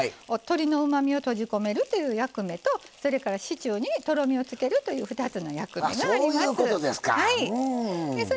鶏のうまみを閉じ込めるという役目とそれからシチューにとろみをつけるという２つの役目があります。